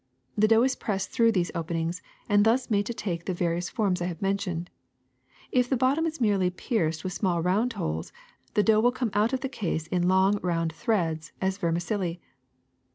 The dough is pressed through these openings and thus made to take the various forms I have mentioned. If the bottom is merely pierced with small round holes, the dough will come out of the case in long round threads as vermicelli."